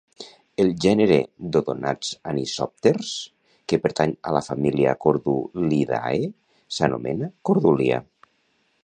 El gènere d'odonats anisòpters, que pertany a la família Corduliidae, s'anomena Cordulia.